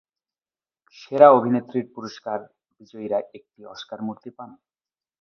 সেরা অভিনেত্রীর পুরস্কার বিজয়ীরা একটি অস্কার মূর্তি পান।